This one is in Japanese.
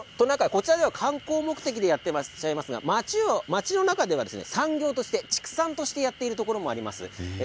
こちらでは観光目的でやってらっしゃいますが町の中では産業として畜産としてやってるところもあります。